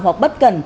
hoặc bất cẩn